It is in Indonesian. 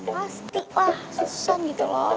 pasti wah susan gitu loh